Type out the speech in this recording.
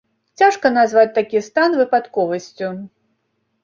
Цяжка назваць такі стан выпадковасцю.